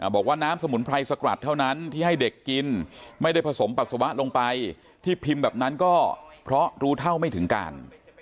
บอกว่าน้ำสมุนไพรสกรัดเท่านั้นที่ให้เด็กกินไม่ได้ผสมปัสสาวะลงไปที่พิมพ์แบบนั้นก็เพราะรู้เท่าไม่ถึงการ